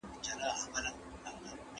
اور به یې سبا د شیش محل پر لمن وګرځي